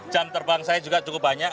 jam terbang saya juga cukup banyak